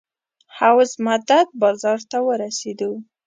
حوض مدد بازار ته ورسېدو.